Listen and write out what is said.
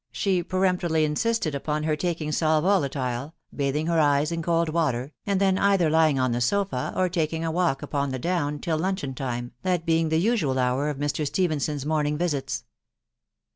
she peremptorily insisted uaunkcr taldnj sal volatile, bathing her eyes in cold water, and tarn either lying on the sofa or taking a walk upon the down till time, that being the usual hour of Mr. Stephenson's —— «w^ visits.